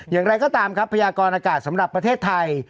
อย่างไรก็ตามครับพยากรอากาศสำหรับประเทศไทย